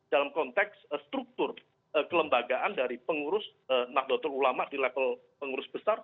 dalam konteks struktur kelembagaan dari pengurus nahdlatul ulama di level pengurus besar